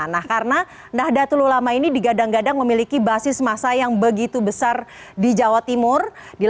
nah karena nahdlatul ulama ini digadang gadang memiliki basis masa yang begitu besar di jawa timur